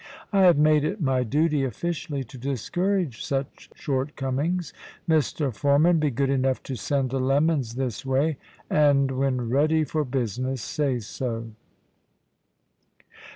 I have made it my duty officially to discourage such shortcomings. Mr Foreman, be good enough to send the lemons this way; and when ready for business, say so."